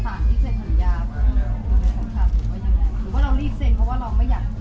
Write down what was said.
เอกสารที่เซ็นสัญญาณหรือว่าอย่างไรหรือว่าเรารีบเซ็นเพราะว่าเราไม่อยาก